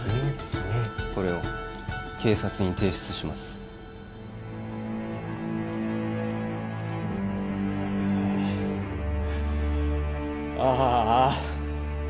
これを警察に提出しますああ